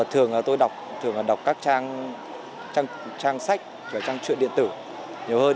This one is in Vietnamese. thường là tôi đọc các trang sách và trang truyện điện tử nhiều hơn